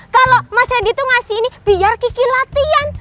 kalo mas randy itu ngasih ini biar kiki latihan